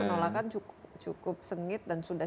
penolakan cukup sengit dan sudah